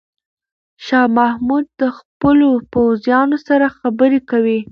شاه محمود د خپلو پوځیانو سره خبرې کوي.